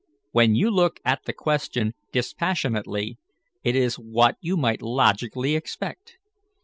When you look at the question dispassionately, it is what you might logically expect.